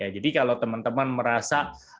jadi kalau teman teman merasa